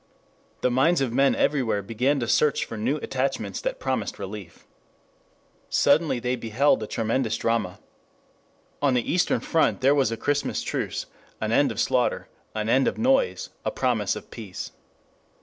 The minds of men everywhere began to search for new attachments that promised relief. Suddenly they beheld a tremendous drama. On the Eastern front there was a Christmas truce, an end of slaughter, an end of noise, a promise of peace.